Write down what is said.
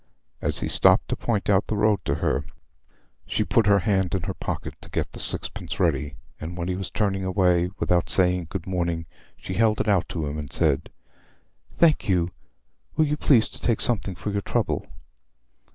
As he stopped to point out the road to her, she put her hand in her pocket to get the six pence ready, and when he was turning away, without saying good morning, she held it out to him and said, "Thank you; will you please to take something for your trouble?"